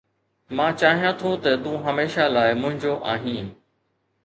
مان چاهيان ٿو ته تون هميشه لاءِ منهنجو آهين.